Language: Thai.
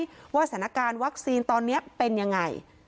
ว่าสถานการณ์วัคซีนตอนนี้เป็นยังไง